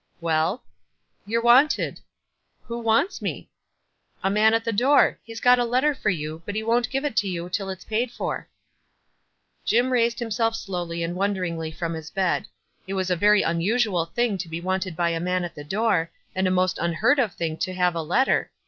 " Well." "You're wanted." "Who wants me?" "A man at the door. He's got a letter for you ; but he won't give it to you till it's paid for." Jim raised himself slowly and wonderingly from his bed. It was a very unusual thing to be wanted by a man at the door, and a most unheard of thing to have a letter.